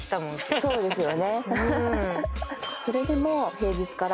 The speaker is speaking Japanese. そうですね。